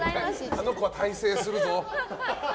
あの子は大成するぞ。